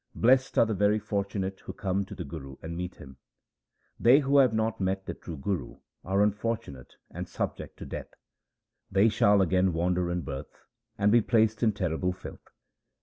Blest are the very fortunate who come to the Guru and meet him. They who have not met the true Guru are unfortunate and subject to death. They shall again wander in birth, and be placed in terrible filth.